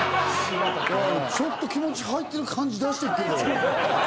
ちょっと気持ち入ってる感じ出してっけど。